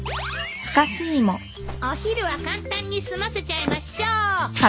お昼は簡単に済ませちゃいましょう。